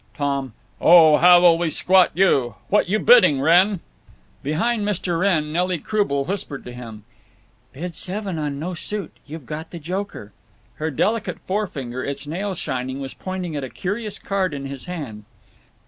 Tom: Oh, how we will squat you!… What you bidding, Wrenn? Behind Mr. Wrenn, Nelly Croubel whispered to him: "Bid seven on no suit. You've got the joker." Her delicate forefinger, its nail shining, was pointing at a curious card in his hand.